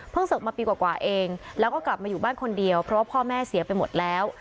เสิร์ฟมาปีกว่าเองแล้วก็กลับมาอยู่บ้านคนเดียวเพราะว่าพ่อแม่เสียไปหมดแล้ว